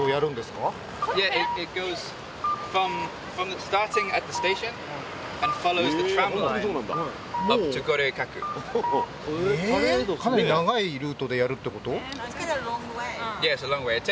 かなり長いルートでやるってこと？